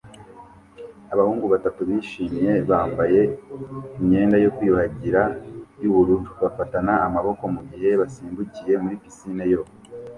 Abahungu batatu bishimye bambaye imyenda yo kwiyuhagira yubururu bafatana amaboko mugihe basimbukiye muri pisine yo hanze